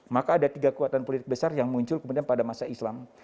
maka ada tiga kekuatan politik besar yang muncul kemudian pada masa islam